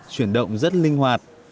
chuyển động rất linh hoạt